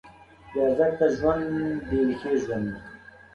بېارزښته ژوند بېریښې ژوند دی.